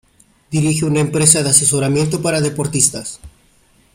Dirige una empresa de asesoramiento para deportistas.